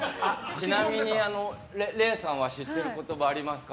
ちなみに、れいさんは知ってる言葉ありますか？